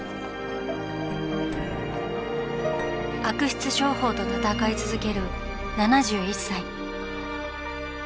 悪質商法と闘い続ける７１歳。